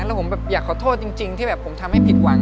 แล้วผมแบบอยากขอโทษจริงที่แบบผมทำให้ผิดหวัง